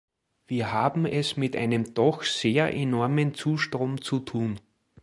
Wir haben es mit einem doch sehr enormen Zustrom zu tun.